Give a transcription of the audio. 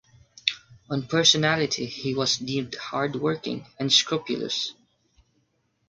On personality he was deemed hardworking and scrupulous.